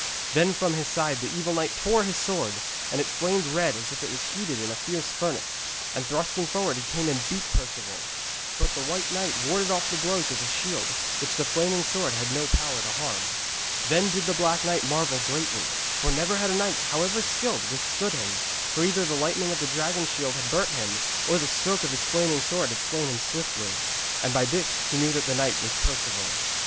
Then from his side the evil knight tore his sword, and it flamed red as if it was heated in a fierce furnace, and thrusting forward he came and beat at Perceval. But the White Knight warded off the blows with his shield, which the flaming sword had no power to harm. Then did the Black Knight marvel greatly, for never had a knight, however skilled, withstood him, for either the lightning of the dragon shield had burnt him, or the stroke of his flaming sword had slain him swiftly. And by this he knew that this knight was Perceval.